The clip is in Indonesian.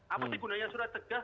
apa sih gunanya sudah segah